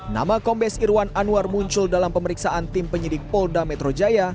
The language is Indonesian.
nama kombes irwan anwar muncul dalam pemeriksaan tim penyidik polda metro jaya